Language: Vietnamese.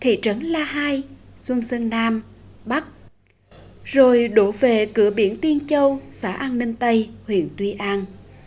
thị trấn la hai xuân sơn nam bắc rồi đổ về cửa biển tiên châu xã an ninh tây huyện tuy an